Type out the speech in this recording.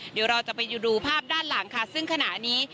เดี๋ยวเราจะไปดูภาพด้านหลังค่ะซึ่งขณะนี้